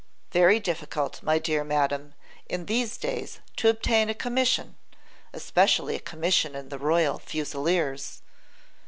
Very difficult, my dear madam, in these days to obtain a commission, especially a commission in the Royal Fusileers.